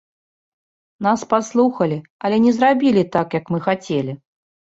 Нас паслухалі, але не зрабілі так, як мы хацелі.